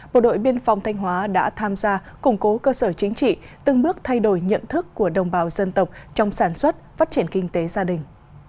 bộ đội biên phòng thanh hóa đã tham gia củng cố cơ sở chính trị từng bước thay đổi nhận thức của đồng bào dân tộc trong sản xuất phát triển kinh tế gia đình